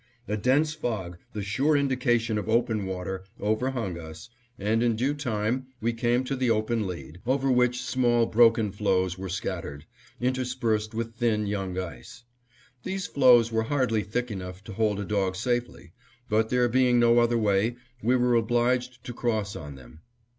A dense fog, the sure indication of open water, overhung us, and in due time we came to the open lead, over which small broken floes were scattered, interspersed with thin young ice. These floes were hardly thick enough to hold a dog safely, but, there being no other way, we were obliged to cross on them.